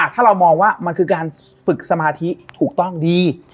ถ้าเรามองว่ามันคือการฝึกสมาธิถูกต้องดี